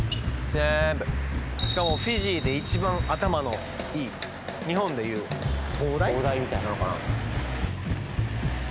全部しかもフィジーで一番頭のいい日本でいう東大なのかな？